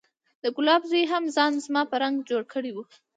د ګلاب زوى هم ځان زما په رنګ جوړ کړى و.